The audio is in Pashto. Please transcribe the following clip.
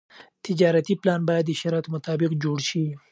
تجارتي پلان باید د شرایطو مطابق جوړ شي.